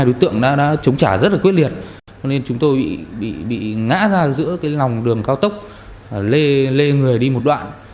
đối tượng đã chống trả rất là quyết liệt cho nên chúng tôi bị ngã ra giữa cái lòng đường cao tốc lê người đi một đoạn